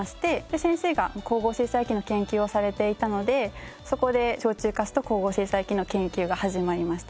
先生が光合成細菌の研究をされていたのでそこで焼酎粕と光合成細菌の研究が始まりました。